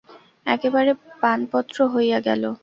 একেবারে পানপত্র হইয়া গেল?